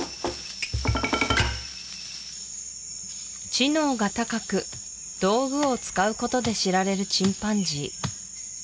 知能が高く道具を使うことで知られるチンパンジー